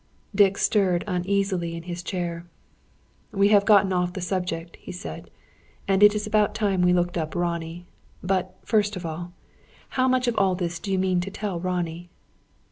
'" Dick stirred uneasily in his chair. "We have got off the subject," he said, "and it's about time we looked up Ronnie. But, first of all: how much of all this do you mean to tell Ronnie?"